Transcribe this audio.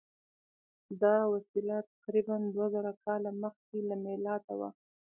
دا وسیله تقریبآ دوه زره کاله مخکې له میلاده وه.